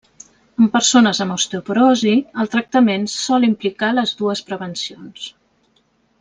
En persones amb osteoporosi, el tractament sol implicar les dues prevencions.